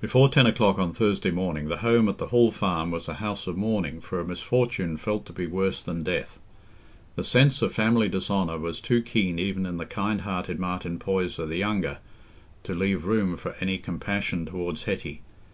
Before ten o'clock on Thursday morning the home at the Hall Farm was a house of mourning for a misfortune felt to be worse than death. The sense of family dishonour was too keen even in the kind hearted Martin Poyser the younger to leave room for any compassion towards Hetty.